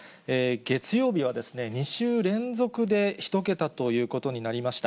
月曜日は２週連続で１桁ということになりました。